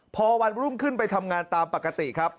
พอวันรุ่งขึ้นไปทำงานตามปกติครับ